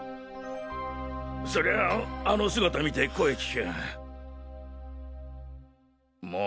そりゃああの姿見て声聞きゃあ。